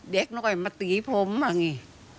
เด็กน้อยมาตีผมอ่ะไง